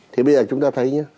thì bây giờ chúng ta thấy